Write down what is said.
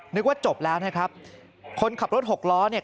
นึกว่าจบแล้วนะครับคนขับรถหกล้อเนี่ย